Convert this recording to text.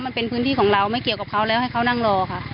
มันเป็นพื้นที่ของเราไม่เกี่ยวกับเขาแล้วให้เขานั่งรอค่ะ